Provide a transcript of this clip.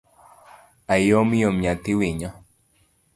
Ayomyom nyathi winyo